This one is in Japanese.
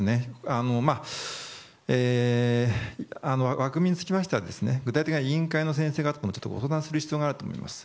枠組みにつきましては具体的に委員会の先生方とご相談する必要があると思います。